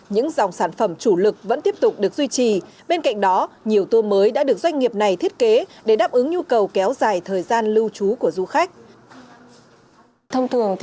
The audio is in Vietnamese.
những dòng sản phẩm chủ lực vẫn tiếp tục được duy trì bên cạnh đó nhiều tour mới đã được doanh nghiệp này thiết kế để đáp ứng nhu cầu kéo dài thời gian lưu trú của du khách